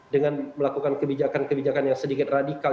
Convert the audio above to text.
dengan melakukan kebijakan kebijakan yang sedikit radikal